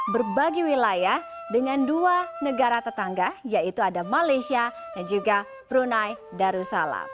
berbagi wilayah dengan dua negara tetangga yaitu ada malaysia dan juga brunei darussalam